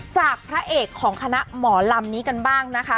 พระเอกของคณะหมอลำนี้กันบ้างนะคะ